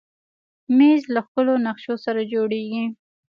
مېز له ښکلو نقشو سره جوړېږي.